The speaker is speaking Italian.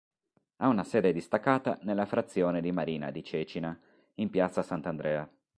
Ha una sede distaccata nella frazione di Marina di Cecina, in piazza Sant'Andrea.